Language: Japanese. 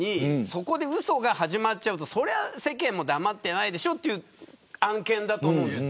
そこで、うそが始まっちゃうとそれは世間も黙っていないでしょという案件だと思うんです。